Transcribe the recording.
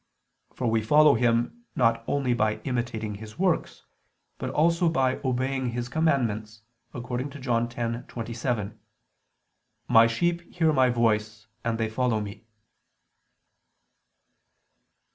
For we follow Him not only by imitating His works, but also by obeying His commandments, according to John 10:27: "My sheep hear My voice ... and they follow Me."